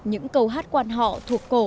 những câu hát quán họ thuộc cổ